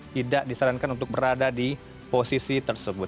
tidak disarankan untuk berada di posisi tersebut